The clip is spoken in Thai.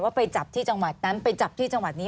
ไปจับที่จังหวัดนั้นไปจับที่จังหวัดนี้